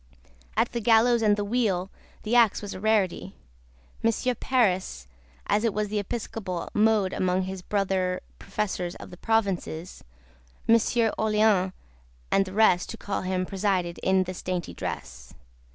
At the gallows and the wheel the axe was a rarity Monsieur Paris, as it was the episcopal mode among his brother Professors of the provinces, Monsieur Orleans, and the rest, to call him, presided in this dainty dress.